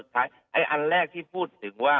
อันแรกที่พูดถึงว่า